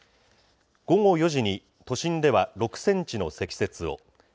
午後４時に都心では６センチの積雪を。